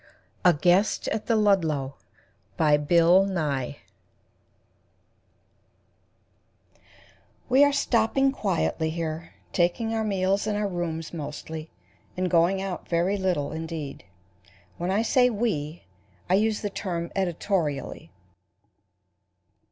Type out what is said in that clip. A GUEST AT THE LUDLOW BY BILL NYE We are stopping quietly here, taking our meals in our rooms mostly, and going out very little indeed. When I say we, I use the term editorially.